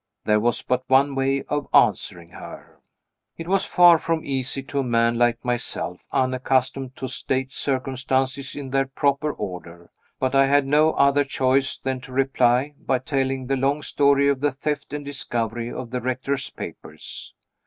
There was but one way of answering her. It was far from easy to a man like myself, unaccustomed to state circumstances in their proper order but I had no other choice than to reply, by telling the long story of the theft and discovery of the Rector's papers.